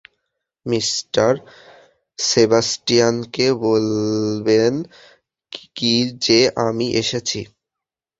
Mr সেবাস্টিয়ানকে বলবেন কি যে আমি এসেছি?